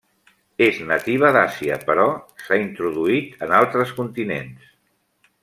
És nativa d'Àsia però s'ha introduït en altres continents.